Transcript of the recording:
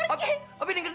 obi dengerin ini ini luki